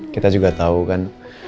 kita juga tahu kan